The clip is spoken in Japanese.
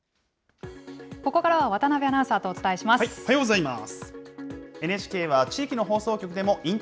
ここからは渡辺アナウンサーとお伝えします。